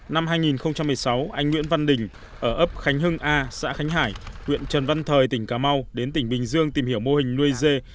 năm hai nghìn một mươi sáu anh nguyễn văn đình ở ấp khánh hưng a xã khánh hải huyện trần văn thời tỉnh cà mau đến tỉnh bình dương tìm hiểu mô hình nuôi dê